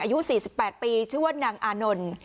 อายุ๔๘ปีชื่อว่านางอานนท์